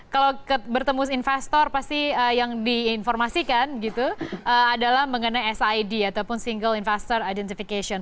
kalau bertemu investor pasti yang diinformasikan gitu adalah mengenai sid ataupun single investor identification